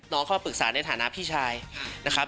เข้ามาปรึกษาในฐานะพี่ชายนะครับ